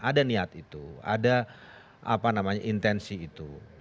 ada niat itu ada apa namanya intensi itu